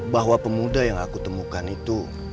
bahwa pemuda yang aku temukan itu